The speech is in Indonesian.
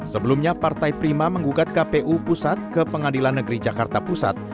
sebelumnya partai prima mengugat kpu pusat ke pengadilan negeri jakarta pusat